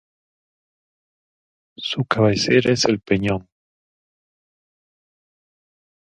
Su cabecera es El Peñón.